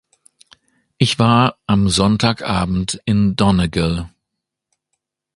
Ich war am Sonntag abend in Donegal.